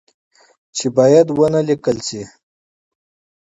چې باید چي و نه لیکل شي